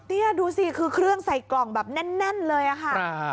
นี่ดูสิคือเครื่องใส่กล่องแบบแน่นเลยอะค่ะ